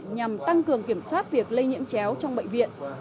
nhằm tăng cường kiểm soát việc lây nhiễm chéo trong bệnh viện